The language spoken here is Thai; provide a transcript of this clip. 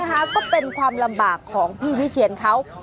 ก็เป็นความลำบากของพี่วิเชียนเขา